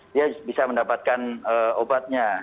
dia bisa mendapatkan obatnya